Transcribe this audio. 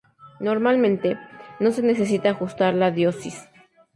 Normalmente, no se necesita ajustar la dosis.